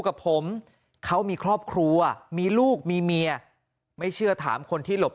กับผมเขามีครอบครัวมีลูกมีเมียไม่เชื่อถามคนที่หลบ